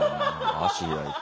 足開いて。